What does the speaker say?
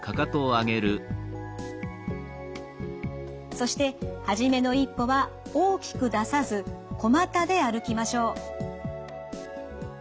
そして初めの一歩は大きく出さず小股で歩きましょう。